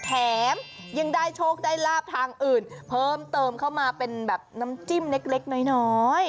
แถมยังได้โชคได้ลาบทางอื่นเพิ่มเติมเข้ามาเป็นแบบน้ำจิ้มเล็กน้อย